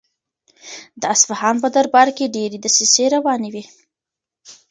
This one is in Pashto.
د اصفهان په دربار کې ډېرې دسیسې روانې وې.